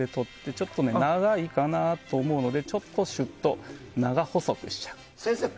ちょっと長いかなと思うのでちょっとシュッと長細くする。